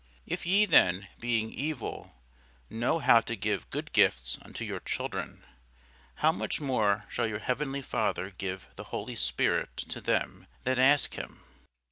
If ye then, being evil, know how to give good gifts unto your children: how much more shall your heavenly Father give the Holy Spirit to them that ask him?